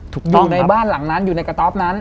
อยู่ในบ้านหลังนั้นอยู่ในกระต๊อบนั้น